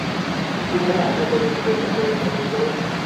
কীভাবে আশা করিস যে, তোকে ও প্রপোজ করুক?